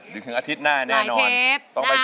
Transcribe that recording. นึกถึงอาทิตย์หน้านั้น